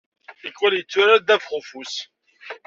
Tikwal yetturar ddabex-ufus.